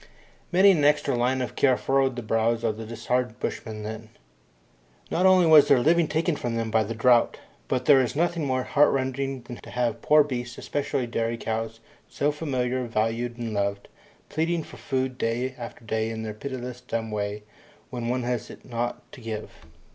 Many an extra line of care furrowed the brows of the disheartened bushmen then. Not only was their living taken from them by the drought, but there is nothing more heartrending than to have poor beasts, especially dairy cows, so familiar, valued, and loved, pleading for food day after day in their piteous dumb way when one has it not to give.